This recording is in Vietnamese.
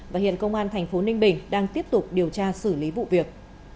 và hiện công an thành phố ninh bình đang tiếp tục điều tra xử lý vụ việc